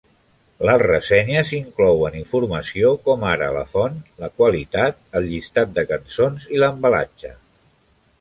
Les ressenyes inclouen informació com ara la font, la qualitat, el llistat de cançons i l'embalatge.